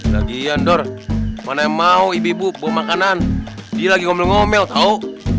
lagi iya ndor mana yang mau ibu ibu bawa makanan dia lagi ngomel ngomel tau